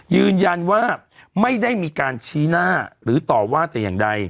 ยืนยันว่าไม่ได้มีการชี้หน้าหรือต่อว่าแต่อย่างใด